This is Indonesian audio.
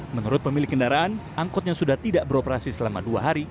menurut pemilik kendaraan angkotnya sudah tidak beroperasi selama dua hari